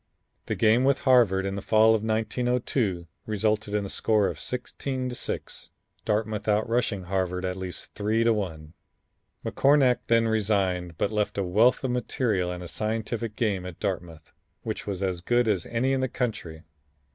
The game with Harvard in the fall of 1902 resulted in a score of 16 to 6, Dartmouth out rushing Harvard at least 3 to 1. McCornack then resigned, but left a wealth of material and a scientific game at Dartmouth, which was as good as any in the country.